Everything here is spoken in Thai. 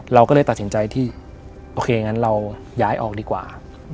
เราก็เลยตัดสินใจที่โอเคงั้นเราย้ายออกดีกว่า